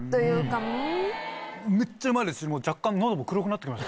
めっちゃうまいですし若干。